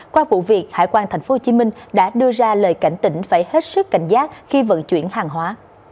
qua vụ việc hải quan tp hcm đã đưa ra lời cảnh tỉnh phải hết sức cảnh giác khi vận chuyển hàng hóa